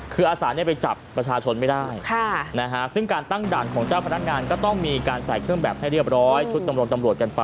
คืออาสาไปจับประชาชนไม่ได้ซึ่งการตั้งด่านของเจ้าพนักงานก็ต้องมีการใส่เครื่องแบบให้เรียบร้อยชุดตำรวจกันไป